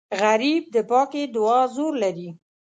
غریب د پاکې دعا زور لري